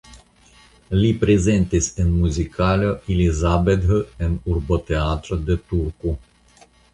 Li prezentis en muzikalo Elisabeth en urbteatro de Turku.